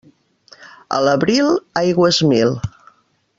A l'abril, aigües mil.